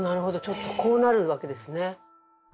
ちょっとこうなるわけですね。